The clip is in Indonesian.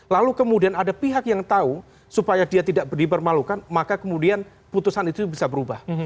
lalu kemudian ada pihak yang tahu supaya dia tidak dipermalukan maka kemudian putusan itu bisa berubah